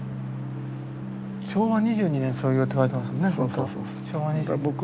「昭和２２年創業」って書いてますもんね。